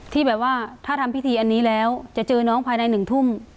ที่แบบว่าถ้าทำพิธีอันนี้แล้วจะเจอน้องภายใน๑ทุ่ม